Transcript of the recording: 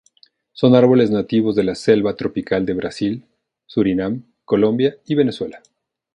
Son árboles nativos de la selva tropical de Brasil, Surinam, Colombia y Venezuela.